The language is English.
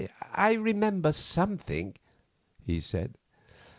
"I remember something," he said.